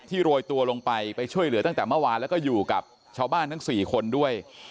โรยตัวลงไปไปช่วยเหลือตั้งแต่เมื่อวานแล้วก็อยู่กับชาวบ้านทั้ง๔คนด้วย